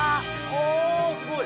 おおすごい！